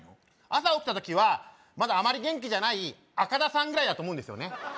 朝起きた時はまだあまり元気じゃないアカダさんぐらいだと思うんですよね